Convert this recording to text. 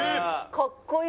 かっこいい！